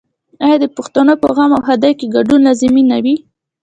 آیا د پښتنو په غم او ښادۍ کې ګډون لازمي نه وي؟